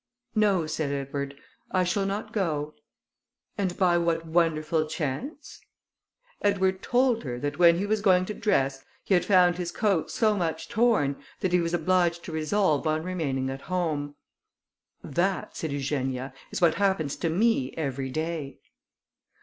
"No," said Edward, "I shall not go." "And by what wonderful chance?" Edward told her, that when he was going to dress, he had found his coat so much torn, that he was obliged to resolve on remaining at home. "That," said Eugenia, "is what happens to me every day."